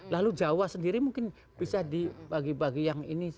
lalu jawa sendiri mungkin bisa dibagi bagi yang ini